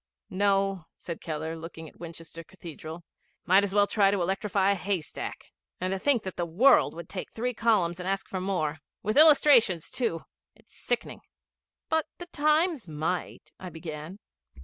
'No,' said Keller, looking at Winchester Cathedral. ''Might as well try to electrify a haystack. And to think that the World would take three columns and ask for more with illustrations too! It's sickening.' 'But the Times might,' I began.